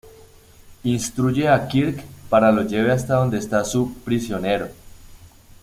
Instruye a Kirk para lo lleve hasta donde está su "prisionero".